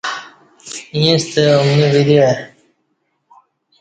ییݩستہ اومنی وری آی۔